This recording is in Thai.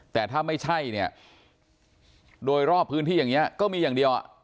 แต่ถ้าไม่ใช่เนี่ยโดยรอบพื้นที่อย่างนี้ก็มีอย่างเดียว